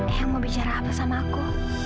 eyang mau bicara apa sama aku